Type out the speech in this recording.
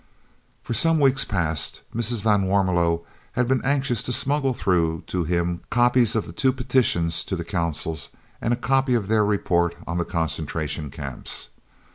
For some weeks past Mrs. van Warmelo had been anxious to smuggle through to him copies of the two petitions to the Consuls and a copy of their report on the Concentration Camps.